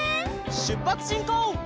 しゅっぱつしんこう！